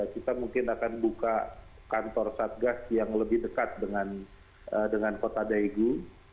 kita mungkin akan buka kantor satgas yang lebih dekat dengan kota daegu